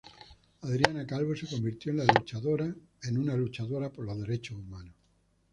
Adriana Calvo se convirtió en una luchadora por los Derechos Humanos.